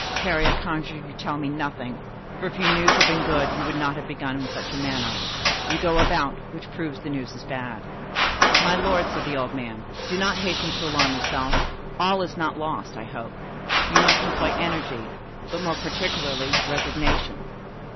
"Parry, I conjure you to tell me nothing; for if your news had been good, you would not have begun in such a manner; you go about, which proves that the news is bad." "My lord," said the old man, "do not hasten to alarm yourself; all is not lost, I hope. You must employ energy, but more particularly resignation."